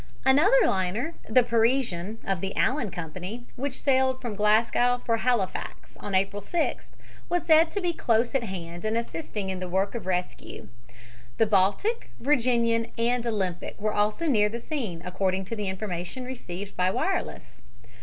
Another liner, the Parisian, of the Allan Company, which sailed from Glasgow for Halifax on April 6th, was said to be close at hand and assisting in the work of rescue. The Baltic, Virginian and Olympic were also near the scene, according to the information received by wireless.